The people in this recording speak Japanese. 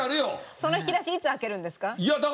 その引き出しいつ開けるんですか？